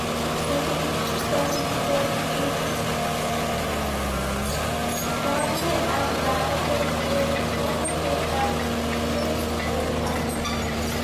Next, Van Dahl formed a band with former Kid Rock guitarist Kenny Olson.